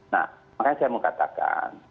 nah makanya saya mau katakan